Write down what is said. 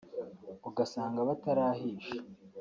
ugasanga batarahisha